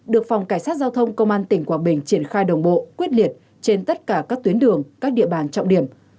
được phòng cảnh sát giao thông công an tỉnh quảng bình triển khai đồng bộ quyết liệt trên tất cả các tuyến đường các địa bàn trọng điểm